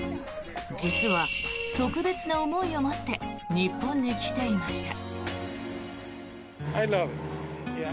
実は特別な思いを持って日本に来ていました。